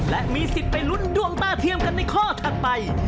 และมีสิทธิ์ไปลุ้นดวงตาเทียมกันในข้อถัดไป